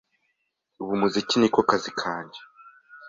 Ubu umuziki ni ko kazi kange